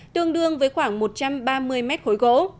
tương đương với khoảng một trăm ba mươi mét khối gỗ